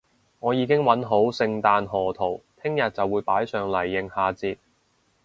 我已經搵好聖誕賀圖，聽日就會擺上嚟應下節